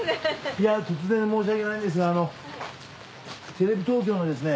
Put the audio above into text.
いや突然申し訳ないんですがテレビ東京のですね